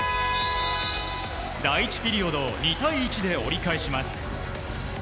第１ピリオドを２対１で折り返します。